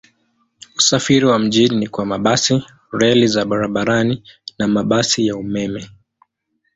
Usafiri wa mjini ni kwa mabasi, reli za barabarani na mabasi ya umeme.